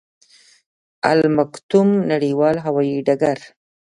المکتوم نړیوال هوايي ډګر